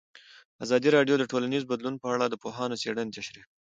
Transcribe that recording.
ازادي راډیو د ټولنیز بدلون په اړه د پوهانو څېړنې تشریح کړې.